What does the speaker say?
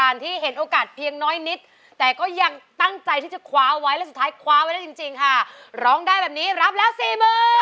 ร้อยได้เลยร้อยได้เลย